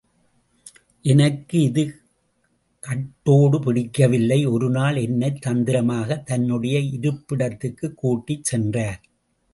எனக்கு இது கட்டோடு பிடிக்கவில்லை ஒரு நாள் என்னைத் தந்திரமாக தன்னுடைய இருப்பிடத்துக்குக் கூட்டிச் சென்றார்.